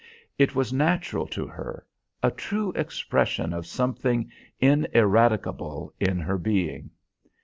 It was natural to her, a true expression of something ineradicable in her being.